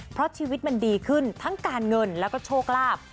เพราะชีวิตมันดีขึ้นทั้งการเงินแล้วก็โชคลาภ